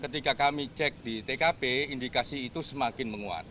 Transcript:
ketika kami cek di tkp indikasi itu semakin menguat